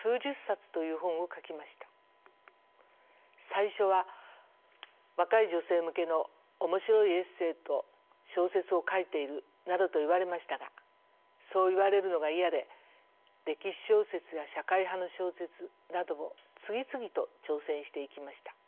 最初は「若い女性向けの面白いエッセーと小説を書いている」などと言われましたがそう言われるのが嫌で歴史小説や社会派の小説などを次々と挑戦していきました。